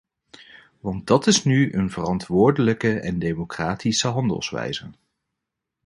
Want dat is nu een verantwoordelijke en democratische handelwijze.